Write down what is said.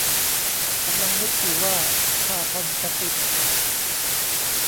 กำลังนึกอยู่ว่า ถ้าท่านกษิต